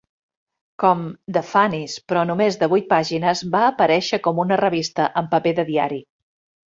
Com "The Funnies, però només de vuit pàgines, va aparèixer com una revista en paper de diari.